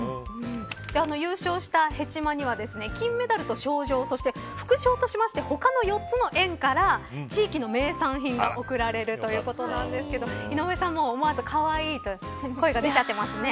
優勝したヘチマには金メダルと賞状そして副賞として他の４つの園から地域の名産品が贈られるということなんですけど井上さんも思わずかわいいと声が出ちゃってますね。